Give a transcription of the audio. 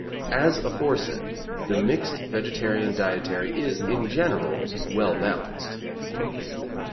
As aforesaid, the mixed vegetarian dietary is, in general, well balanced.